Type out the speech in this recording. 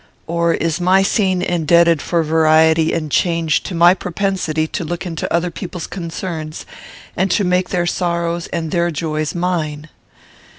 or is my scene indebted for variety and change to my propensity to look into other people's concerns, and to make their sorrows and their joys mine?